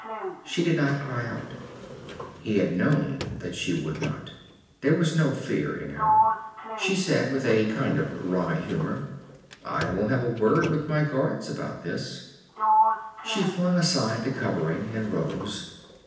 She did not cry out. He had known that she would not. There was no fear in her. She said, with a kind of wry humor, "I will have a word with my guards about this." She flung aside the covering and rose.